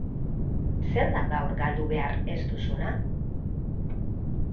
Zer da gaur galdu behar ez duzuna?